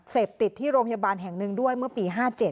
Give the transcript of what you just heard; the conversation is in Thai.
เสพติดที่โรงพยาบาลแห่งหนึ่งด้วยเมื่อปี๕๗